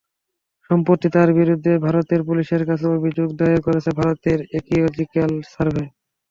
সম্প্রতি তাঁর বিরুদ্ধে ভারতে পুলিশের কাছে অভিযোগ দায়ের করেছে ভারতের আর্কিওলজিকাল সার্ভে।